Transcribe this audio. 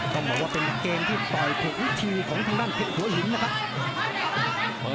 ต้องบอกว่าเป็นเกมที่ต่อยถูกวิธีของทางด้านเพชรหัวหินนะครับ